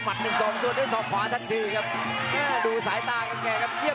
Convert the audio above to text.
พอดอกมาครับปุ่งใน